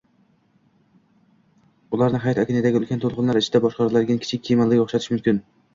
ularni hayot okeanidagi ulkan to‘lqinlar ichida boshqariladigan kichik kemalarga o‘xshatish mumkin.